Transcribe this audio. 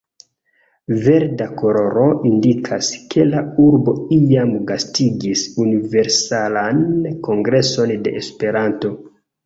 Verda koloro indikas, ke la urbo iam gastigis Universalan Kongreson de Esperanto.